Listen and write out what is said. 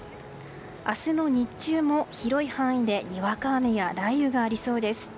明日の日中も広い範囲でにわか雨や雷雨がありそうです。